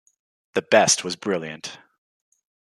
The best was brilliant.